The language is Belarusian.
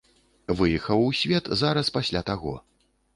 Выехаў у свет зараз пасля таго.